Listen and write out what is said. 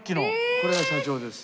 これが社長です。